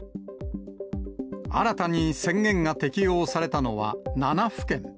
新たに宣言が適用されたのは７府県。